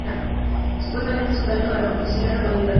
Supuestamente, su talento para la composición era autodidacta.